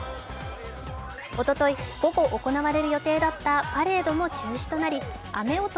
おととい、午後行われる予定だったパレードも中止となり雨男？